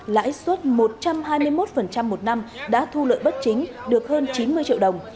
lãi suất một trăm hai mươi một một năm đã thu lợi bất chính được hơn chín mươi triệu đồng